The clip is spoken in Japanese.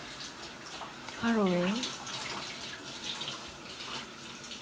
ハロウィン？